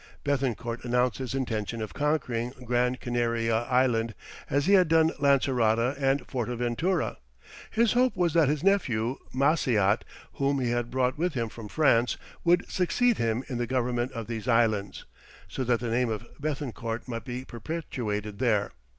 Béthencourt announced his intention of conquering Gran Canaria Island, as he had done Lancerota and Fortaventura; his hope was that his nephew Maciot, whom he had brought with him from France, would succeed him in the government of these islands, so that the name of Béthencourt might be perpetuated there.